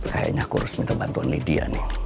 kayaknya aku harus minta bantuan lydia nih